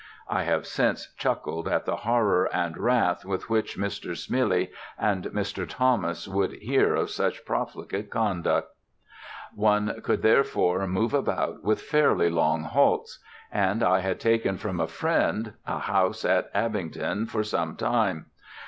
(I have since chuckled at the horror and wrath with which Mr. Smillie and Mr. Thomas would hear of such profligate conduct.) One could therefore move about with fairly long halts: and I had taken from a friend a house at Abingdon for some time.